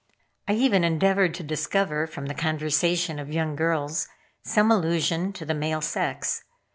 I even endeavored to discover from the conversation of young girls some allusion to the male sex.